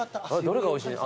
どれがおいしい？